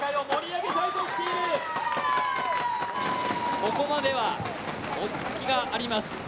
ここまでは落ち着きがあります。